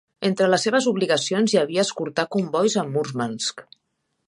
Entre les seves obligacions hi havia escortar combois a Murmansk.